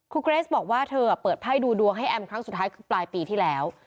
เกรสบอกว่าเธอเปิดไพ่ดูดวงให้แอมครั้งสุดท้ายคือปลายปีที่แล้ว